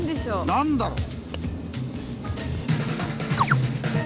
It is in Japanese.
何だろう？